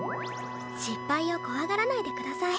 失敗を怖がらないでください。